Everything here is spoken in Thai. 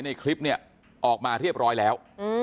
ในคลิปออกมาเรียบร้อยแล้ว